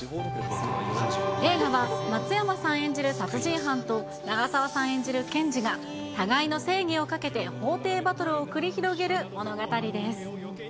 映画は、松山さん演じる殺人犯と、長澤さん演じる検事が、互いの正義をかけて法廷バトルを繰り広げる物語です。